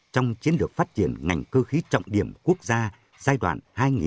trong chiến lược phát triển ngành cơ khí trọng điểm quốc gia giai đoạn hai nghìn một mươi sáu